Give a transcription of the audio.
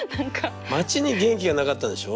町に元気がなかったんでしょ。